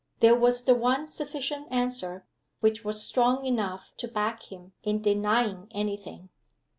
There was the one sufficient answer, which was strong enough to back him in denying any thing!